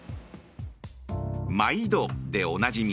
「まいど！」でおなじみ